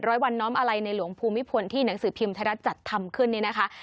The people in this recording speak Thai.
ร้อยวันน้อมอะไรในหลวงภูมิพลที่หนังสือพิมพ์ไทยรัฐจัดทำขึ้นนี่นะคะ